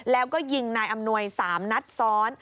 แล้วก็ยิงนายอำนวย๓นัดซ้อน